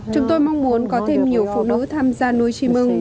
chúng tôi mong muốn có thêm nhiều phụ nữ tham gia nuôi chim mừng